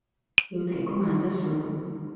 要提高下質素